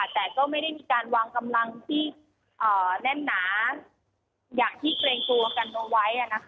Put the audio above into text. แต่ก็ไม่ได้มีการวางกำลังที่แน่นหนาอย่างที่เกรงกลัวกันเอาไว้